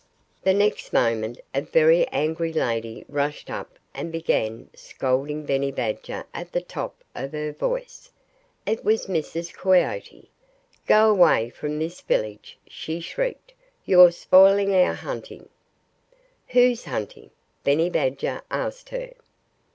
The next moment a very angry lady rushed up and began scolding Benny Badger at the top of her voice. It was Mrs. Coyote. "Go away from this village!" she shrieked. "You're spoiling our hunting!" "Whose hunting?" Benny Badger asked her.